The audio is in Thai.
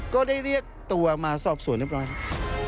ก็ได้เรียกตัวมาสอบสวนเรียบร้อยแล้ว